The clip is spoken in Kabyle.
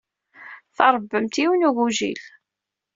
Tṛebbamt yiwen n ugujil.